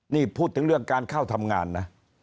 นี่พูดถึงเรื่องการเข้าทำงานนะ